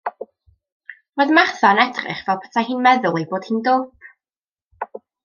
Roedd Martha yn edrych fel petai hi'n meddwl ei bod hi'n dwp.